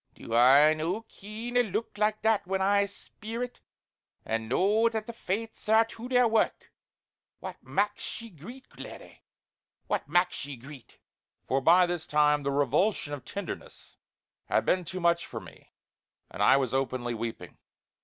Do I no ken a look like that when I speer it, and know that the Fates are to their wark. What maks ye greet laddie; what maks ye greet?" for by this time the revulsion of tenderness had been too much for me and I was openly weeping.